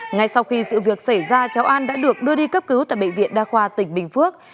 ngay sau khi sự việc xảy ra cháu an đã được đưa đi cấp cứu tại bệnh viện đa khoa tỉnh bình phước